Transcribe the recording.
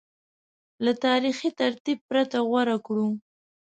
له تاریخي ترتیب پرته غوره کړو